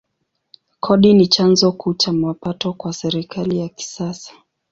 Kodi ni chanzo kuu cha mapato kwa serikali ya kisasa.